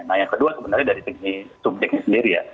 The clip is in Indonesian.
nah yang kedua sebenarnya dari segi subjeknya sendiri ya